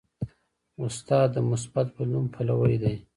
استاد د مثبت بدلون پلوی دی.